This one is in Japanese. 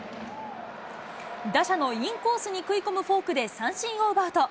打者のインコースに食い込むフォークで三振を奪うと。